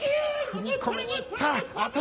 踏み込みにいった。